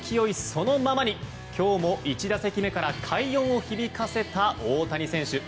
そのままに今日も１打席目から快音を響かせた大谷選手。